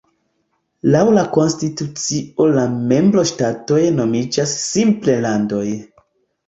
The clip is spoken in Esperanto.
Laŭ la konstitucio la membro-ŝtatoj nomiĝas simple "landoj".